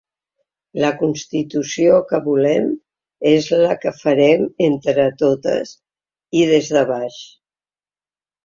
La constitució que volem és la que farem entre totes i des de baix.